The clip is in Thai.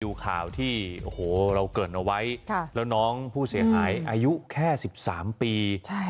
ดูข่าวที่โอ้โหเราเกิดเอาไว้แล้วน้องผู้เสียหายอายุแค่๑๓ปี